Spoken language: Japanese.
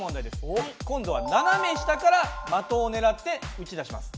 今度は斜め下から的をねらって撃ち出します。